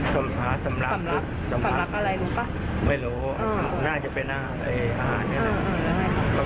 สํอาสำหรับอะไรรู้ปะไม่รู้อือน่าจะเป็นอ่าเนี้ยครับ